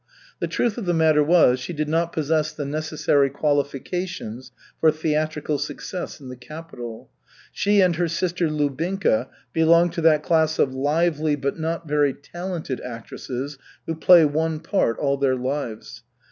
The truth of the matter was, she did not possess the necessary qualifications for theatrical success in the capital. She and her sister Lubinka belonged to that class of lively, but not very talented actresses who play one part all their lives.